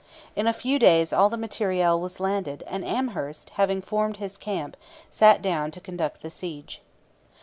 In a few days all the material was landed; and Amherst, having formed his camp, sat down to conduct the siege.